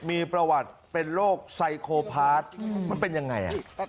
มีประวัติเป็นโรคไซโคพาร์ทมันเป็นยังไง